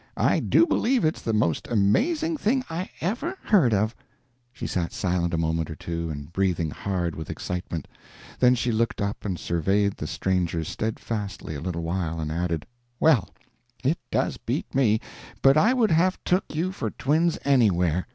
I do believe it's the most amazing thing I ever heard of." She sat silent a moment or two and breathing hard with excitement, then she looked up and surveyed the strangers steadfastly a little while, and added: "Well, it does beat me, but I would have took you for twins anywhere."